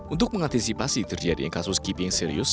untuk mengantisipasi terjadinya kasus keeping serius